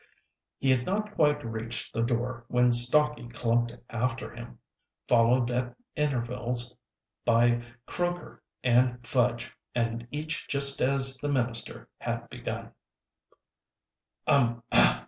He had not quite reached the door when Stocky clumped after him, followed at intervals by Croaker and Fudge, and each just as the minister had begun: "Um! Ah!